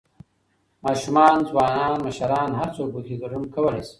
، ماشومان، ځوانان، مشران هر څوک پکې ګډون کولى شي